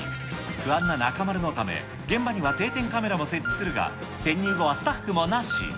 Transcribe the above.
不安な中丸のため、現場には定点カメラも設置するが、潜入後はスタッフもなし。